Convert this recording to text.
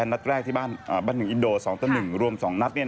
รัฐแรกที่บ้าน๑อินโด๒๑รวม๒นัด